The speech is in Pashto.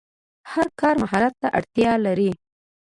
هر کار مهارت ته اړتیا لري.